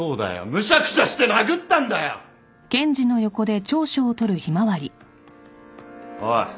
むしゃくしゃして殴ったんだよ！おい。